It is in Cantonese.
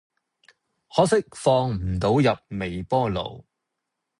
可惜放唔到入微波爐